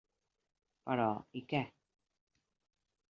Però, i què?